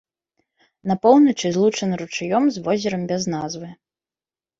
На поўначы злучана ручаём з возерам без назвы.